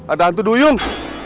ada hantu duyung